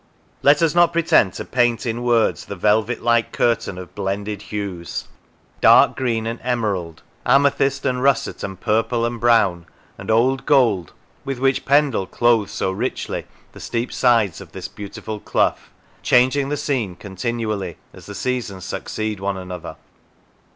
Let us not pretend to paint in words the velvet like curtain* of blended hues: dark green and emerald, amethyst and russet and purple and brown and old gold, with which Pendle clothes so richly the steep sides of this beautiful clough, changing the scene continually as the seasons succeed one another.